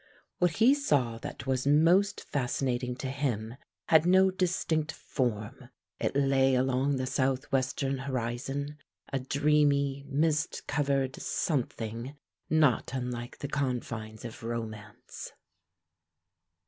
What he saw that was most fascinating to him had no distinct form; it lay along the south western horizon, a dreamy, mist covered something not unlike the confines of romance.